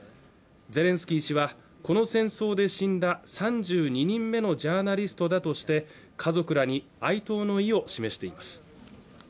ゼレンスキー氏はこの戦争で死んだ３２人目のジャーナリストだとして家族らに哀悼の意を示しています